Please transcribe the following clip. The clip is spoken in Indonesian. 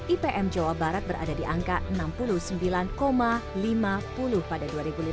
ipm jawa barat berada di angka enam puluh sembilan lima puluh pada dua ribu lima belas